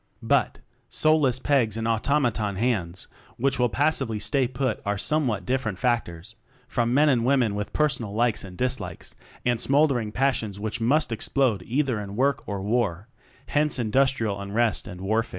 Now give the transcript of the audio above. But, soulless pegs and automaton hands which will passively stay put are somewhat different factors from Men and Women with personal likes and dislikes and smouldering pas sions which must explode either in Work or War hence industrial un rest and warfare.